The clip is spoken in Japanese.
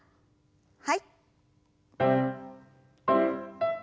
はい。